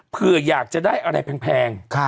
เพื่ออยากจะได้อะไรแพง